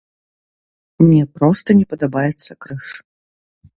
Мне проста не падабаецца крыж.